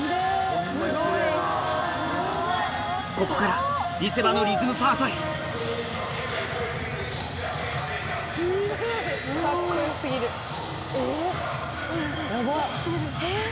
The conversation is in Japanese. ここから見せ場のリズムパートへ